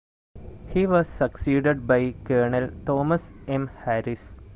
He was succeeded by Colonel Thomas M. Harris.